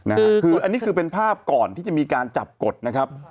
นะฮะคืออันนี้คือเป็นภาพก่อนที่จะมีการจับกฎนะครับ